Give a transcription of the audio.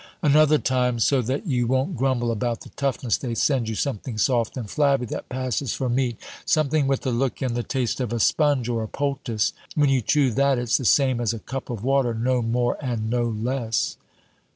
"Another time, so that you won't grumble about the toughness, they send you something soft and flabby that passes for meat, something with the look and the taste of a sponge or a poultice. When you chew that, it's the same as a cup of water, no more and no less."